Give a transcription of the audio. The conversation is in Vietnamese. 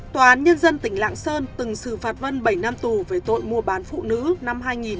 tòa án nhân dân tỉnh lạng sơn từng xử phạt vân bảy năm tù về tội mua bán phụ nữ năm hai nghìn